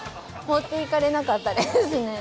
持っていかれなかったですね。